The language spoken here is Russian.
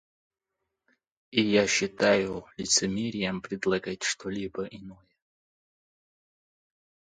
И я считаю лицемерием предлагать что-либо иное.